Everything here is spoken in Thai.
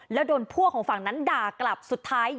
แล้วโดนพวกของฝั่งนั้นด่ากลับสุดท้าย